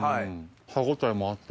歯応えもあって。